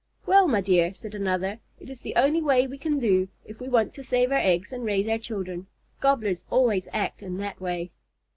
"Well, my dear," said another, "it is the only way we can do, if we want to save our eggs and raise our children. Gobblers always act in that way."